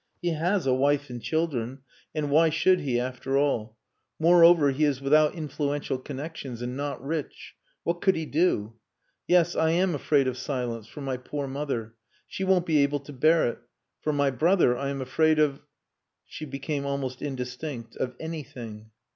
He has a wife and children and why should he, after all.... Moreover, he is without influential connections and not rich. What could he do?... Yes, I am afraid of silence for my poor mother. She won't be able to bear it. For my brother I am afraid of..." she became almost indistinct, "of anything."